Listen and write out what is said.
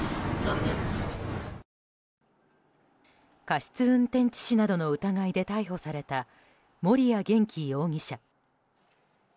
過失運転致死などの疑いで逮捕された森谷元気容疑者。